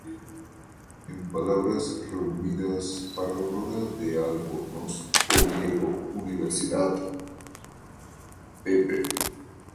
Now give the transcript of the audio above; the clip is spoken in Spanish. En "Palabras reunidas para Aurora de Albornoz", Oviedo, Universidad, pp.